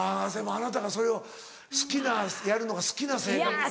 あなたがそれを好きなやるのが好きな性格。